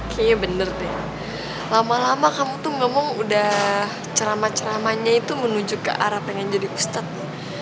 kayaknya bener deh lama lama kamu tuh ngomong udah ceramah ceramahnya itu menuju ke arah pengen jadi ustadz